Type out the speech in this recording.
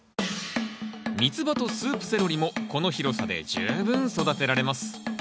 ミツバとスープセロリもこの広さで十分育てられます。